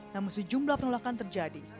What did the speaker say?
namun sejumlah penolakan terjadi